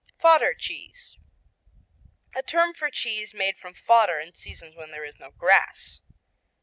Fodder cheese A term for cheese made from fodder in seasons when there is no grass.